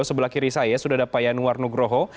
sebelah kiri saya sudah ada pak yanwar nugroho